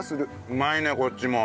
うまいねこっちも。